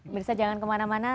mirsa jangan kemana mana